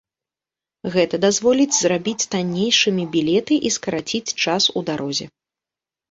Гэта дазволіць зрабіць таннейшымі білеты і скараціць час у дарозе.